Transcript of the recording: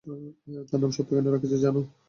তার নাম সত্য কেন রেখেছি জানো?